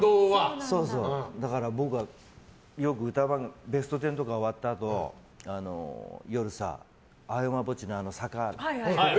だから僕はよく「ベストテン」とか終わったあと夜、青山墓地の坂知ってる？